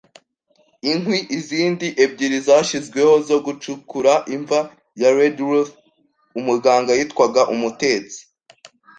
inkwi; izindi ebyiri zashyizweho zo gucukura imva ya Redruth; umuganga yitwaga umutetsi;